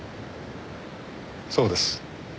そうです。